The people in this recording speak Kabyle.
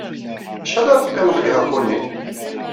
Acḥal ara teqqimed deg Hakone?